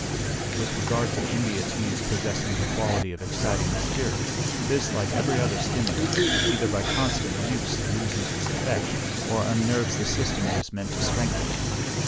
With regard to India teas possessing the quality of exciting the spirits, this, like every other stimulus, either by constant use loses its effect, or unnerves the system it is meant to strengthen.